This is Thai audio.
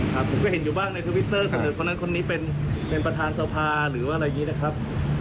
ผมก็เห็นอยู่บ้างในทวิตเตอร์สำหรับคนนั้นคนนี้เป็นเป็นประธานสภาหรือว่าอะไรอย่างนี้นะครับ